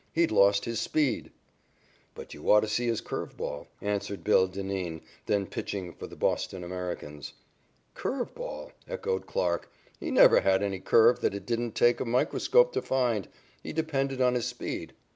He'd lost his speed." "But you ought to see his curve ball," answered "Bill" Dineen, then pitching for the Boston Americans. "Curve ball," echoed Clarke. "He never had any curve that it didn't take a microscope to find. He depended on his speed."